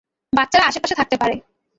বাচ্চারা আশেপাশে থাকতে পারে।